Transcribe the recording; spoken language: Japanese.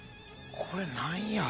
これ何や？